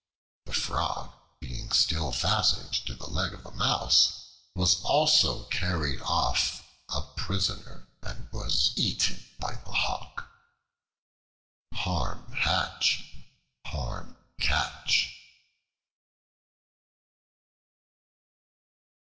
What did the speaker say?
The Frog, being still fastened to the leg of the Mouse, was also carried off a prisoner, and was eaten by the Hawk. Harm hatch, harm catch.